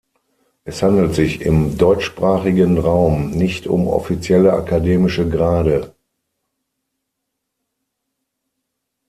Es handelt sich im deutschsprachigen Raum nicht um offizielle akademische Grade.